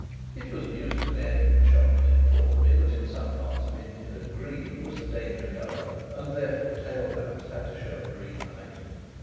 It was news to them, the shopman informed me, that in some parts of India green was the danger colour and therefore tail lamps had to show a green light.